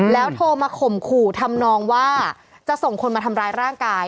แล้วโทรมาข่มขู่ทำนองว่าจะส่งคนมาทำร้ายร่างกาย